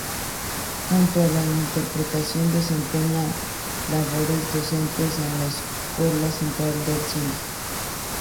Junto a la interpretación, desempeña labores docentes en la Escuela Central de Cine.